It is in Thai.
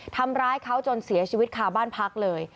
ทำร้ายเขาจนเสียชีวิตคาบ้านพักเลย